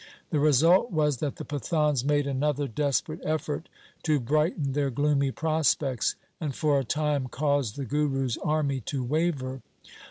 The result was that the Pathans made another desperate effort to brighten their gloomy prospects, and for a time caused the Guru's army to waver.